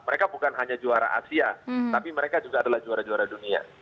mereka bukan hanya juara asia tapi mereka juga adalah juara juara dunia